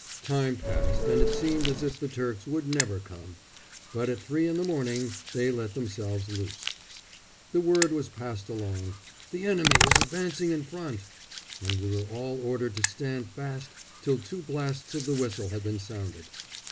Time passed and it seemed as if the Turks would never come; but at three in the morning they let themselves loose. The word was passed along "The enemy is advancing in front!" and we were all ordered to stand fast till two blasts of the whistle had been sounded.